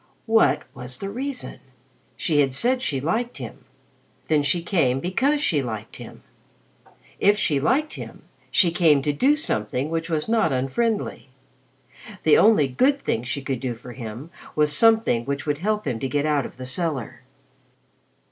What was the reason? She had said she liked him. Then she came because she liked him. If she liked him, she came to do something which was not unfriendly. The only good thing she could do for him was something which would help him to get out of the cellar.